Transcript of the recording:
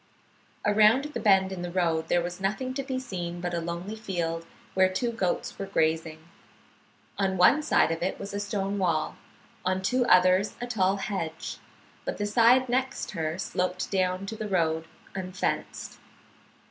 Around the bend in the road there was nothing to be seen but a lonely field where two goats were grazing. On one side of it was a stone wall, on two others a tall hedge, but the side next her sloped down to the road, unfenced.